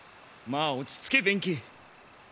まあ落ち着け弁慶。